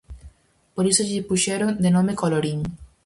Por iso lle puxeron de nome Colorín.